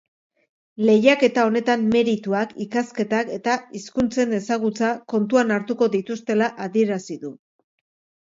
Lehiaketa honetan merituak, ikasketak eta hizkuntzen ezagutza kontuan hartuko dituztela adierazi du.